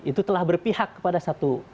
itu telah berpihak kepada satu